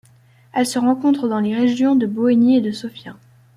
Elle se rencontre dans les régions de Boeny et de Sofia.